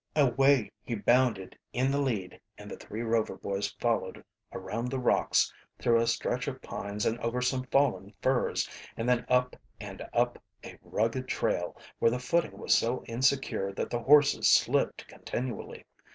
Away he bounded in the lead, and the three Rover boys followed around the rocks through a stretch of pines and over some fallen firs, and then up and up a rugged trail where the footing was so insecure that the horses slipped continually.